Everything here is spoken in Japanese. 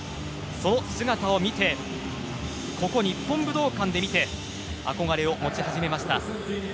その姿をここ日本武道館で見て憧れを持ち始めました。